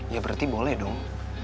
ya berarti boleh dong